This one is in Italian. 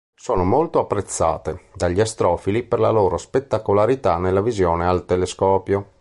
Sono molto apprezzate dagli astrofili per la loro spettacolarità nella visione al telescopio.